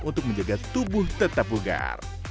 untuk menjaga tubuh tetap bugar